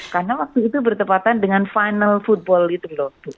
karena waktu itu bertepatan dengan final football itu loh